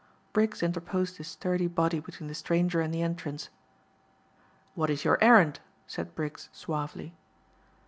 Briggs interposed his sturdy body between the stranger and the entrance. "What is your errand?" said Briggs suavely.